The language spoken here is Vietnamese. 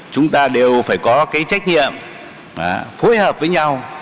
chúng ta đều phải có cái trách nhiệm phối hợp với nhau